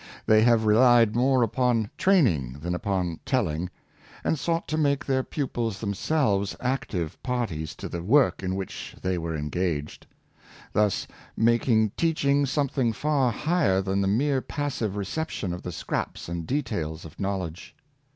They have relied more upon train ing than upon tellings and sought to make their pupils themselves active parties to the work in which they were engaged; thus making teaching something far higher than the mere passive reception of the scraps and details of knowledge.